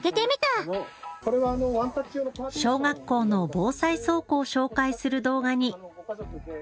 小学校の防災倉庫を紹介する動画に。